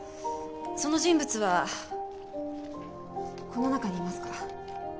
その人物はこの中にいますか？